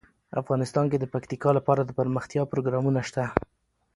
افغانستان کې د پکتیکا لپاره دپرمختیا پروګرامونه شته.